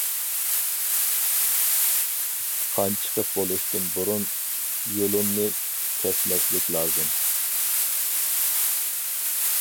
قان چىقىپ بولۇشتىن بۇرۇن يۇلۇننى كەسمەسلىك لازىم.